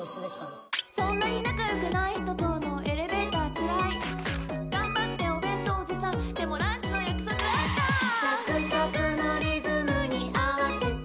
そんなに仲良くない人とのエレベーターつらい頑張ってお弁当持参でもランチの約束あった